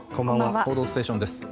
「報道ステーション」です。